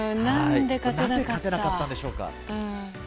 なぜ勝てなかったんでしょうか。